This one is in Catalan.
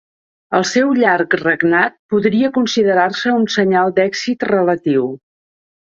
El seu llarg regnat podria considerar-se un senyal d'èxit relatiu.